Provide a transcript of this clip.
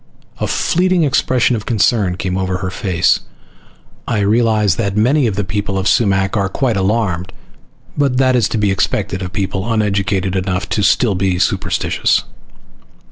A fleeting expression of concern came over her. "I realize that many of the people of Sumac are quite alarmed, but that is to be expected of a people uneducated enough to still be superstitious."